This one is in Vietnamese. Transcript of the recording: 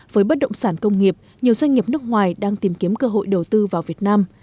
với bất động sản công nghiệp nhiều doanh nghiệp nước ngoài đang tìm kiếm cơ hội đầu tư vào việt nam